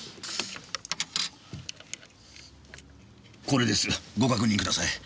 これですご確認ください。